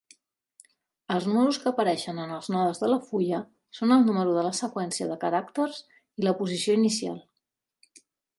Els números que apareixen en els nodes de la fulla són el número de la seqüència de caràcters i la posició inicial.